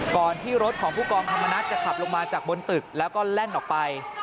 ก่อนที่รถของผู้กองธรรมนัฐจะขับลงมาจากบนตึกแล้วก็แล่นออกไป